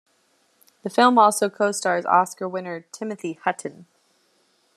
The film also co-stars Oscar winner Timothy Hutton.